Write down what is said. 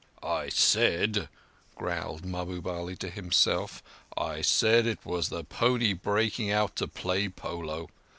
"I said," growled Mahbub Ali to himself, "I said it was the pony breaking out to play polo.